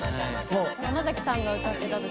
山崎さんが歌ってた時。